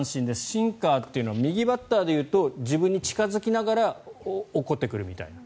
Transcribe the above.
シンカーというのは右バッターでいうと自分に近付きながら落っこちてくるみたいな。